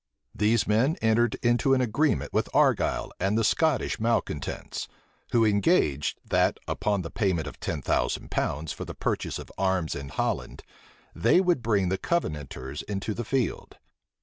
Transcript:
These men entered into an agreement with Argyle and the Scottish malecontents; who engaged, that, upon the payment of ten thousand pounds for the purchase of arms in Holland, they would bring the Covenanters into the field.